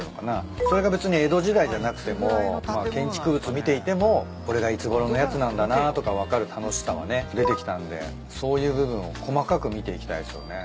それが別に江戸時代じゃなくても建築物見ていてもこれがいつごろのやつなんだなとか分かる楽しさはね出てきたんでそういう部分を細かく見ていきたいですよね。